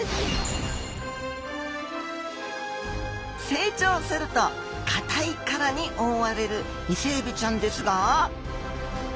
成長すると硬い殻に覆われるイセエビちゃんですが。